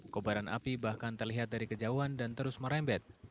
kobaran api bahkan terlihat dari kejauhan dan terus merembet